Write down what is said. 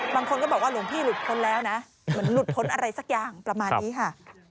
บางคนก็บอกว่าหลวงพี่หลุดพ้นแล้วนะเหมือนหลุดพ้นอะไรสักอย่างประมาณนี้ค่ะ